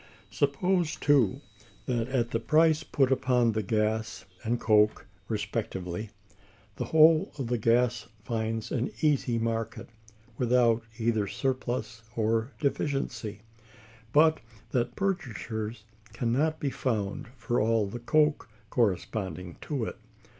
Suppose, too, that, at the price put upon the gas and coke respectively, the whole of the gas finds an easy market, without either surplus or deficiency, but that purchasers can not be found for all the coke corresponding to it.